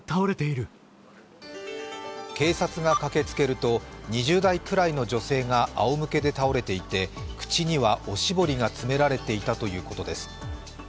警察が駆けつけると２０代くらいの女性があおむけで倒れていて口にはおしぼりが詰められていたということです。